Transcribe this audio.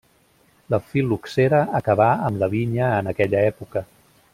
La fil·loxera acabà amb la vinya en aquella època.